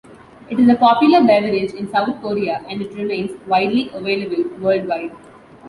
It is a popular beverage in South Korea, and it remains widely available worldwide.